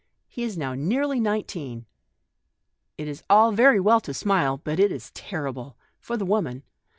He is now nearly nineteen. It is all very well to smile, but it is terrible — for the woman.